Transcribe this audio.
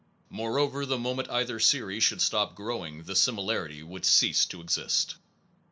Moreover the moment either series should stop growing, the similarity would cease to exist.